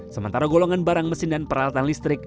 sementara golongan barang mesin dan peralatan listrik